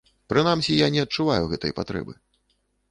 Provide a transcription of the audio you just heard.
Прынамсі, я не адчуваю гэтай патрэбы.